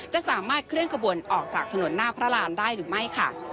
จะสามารถเคลื่อนกระบวนออกจากถนนหน้าพระรานได้หรือไม่ค่ะ